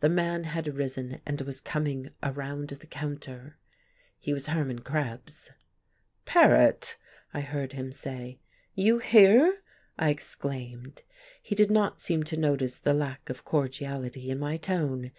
The man had risen and was coming around the counter. He was Hermann Krebs. "Paret!" I heard him say. "You here?" I exclaimed. He did not seem to notice the lack of cordiality in my tone.